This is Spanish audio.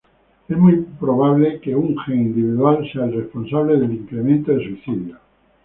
Es muy improbable que un gen individual sea el responsable del incremento de suicidios.